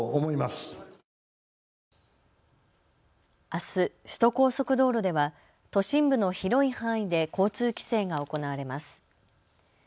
あす首都高速道路では都心部の広い範囲で交通規制が行われます。